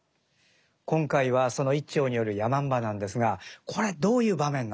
今回はその一調による「山姥」なんですがこれどういう場面なんでしょうか。